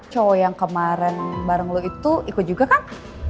co yang kemarin bareng lo itu ikut juga kan